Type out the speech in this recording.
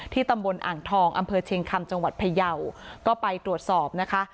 ตำบลอ่างทองอำเภอเชียงคำจังหวัดพยาวก็ไปตรวจสอบนะคะ